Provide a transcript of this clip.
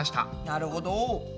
なるほど。